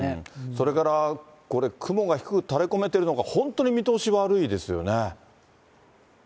それからこれ、雲が低く垂れこめてるのが、本当に見通し悪いですよね。